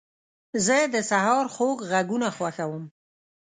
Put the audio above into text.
زه د سهار خوږ غږونه خوښوم.